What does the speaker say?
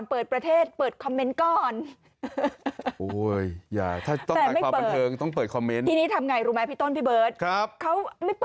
เปิดสิเปิดคอมเมนต์สิ